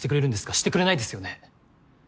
してくれないですよね？